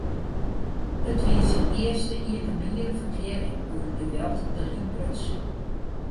It wie syn earste iepenbiere ferklearring oer it geweld dat útbruts.